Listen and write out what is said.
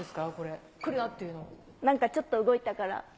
なんかちょっと動いたから。